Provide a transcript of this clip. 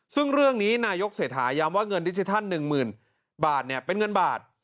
ซึ่งเรื่องนี้นายกเศรษฐาย้ำว่าเงินดิจิทัล๑๐๐๐บาทเป็นเงินบาท